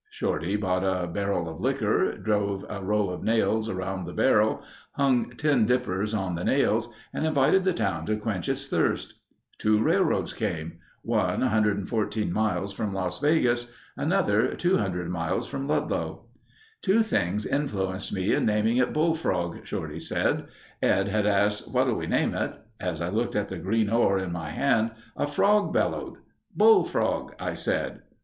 Shorty bought a barrel of liquor, drove a row of nails around the barrel, hung tin dippers on the nails and invited the town to quench its thirst. Two railroads came. One, 114 miles from Las Vegas. Another, 200 miles from Ludlow. "Two things influenced me in naming it Bullfrog," Shorty said. "Ed had asked, 'what'll we name it?' As I looked at the green ore in my hand, a frog bellowed. 'Bullfrog,' I said."